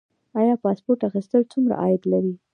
آیا پاسپورت اخیستل څومره عاید لري؟